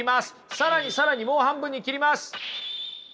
更に更にもう半分に切ります。